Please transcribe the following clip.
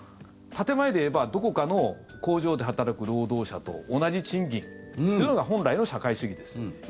建前で言えばどこかの工場で働く労働者と同じ賃金というのが本来の社会主義ですよね。